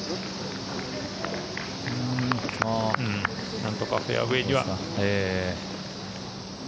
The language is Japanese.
なんとかフェアウェーには。